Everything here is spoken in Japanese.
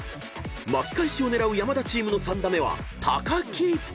［巻き返しを狙う山田チームの３打目は木］